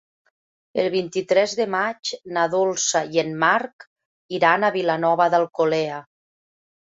El vint-i-tres de maig na Dolça i en Marc iran a Vilanova d'Alcolea.